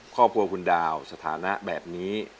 ครอบครัวคุณดาวสถานะแบบนี้